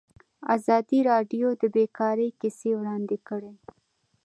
ازادي راډیو د بیکاري کیسې وړاندې کړي.